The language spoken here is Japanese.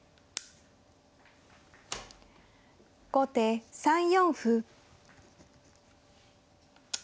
後手３四歩。